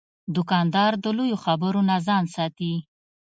دوکاندار د لویو خبرو نه ځان ساتي.